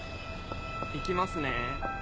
行きますね。